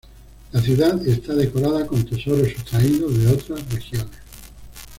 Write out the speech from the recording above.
La ciudad está decorada con tesoros sustraídos de otras regiones.